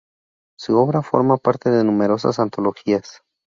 Su obra forma parte de numerosas antologías.